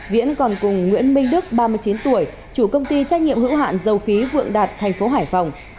viễn còn cùng nguyễn minh đức ba mươi chín tuổi chủ công ty trách nhiệm hữu hạn dầu khí vượng đạt thành phố hải phòng